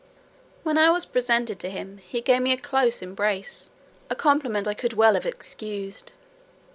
When I was presented to him, he gave me a close embrace, a compliment I could well have excused.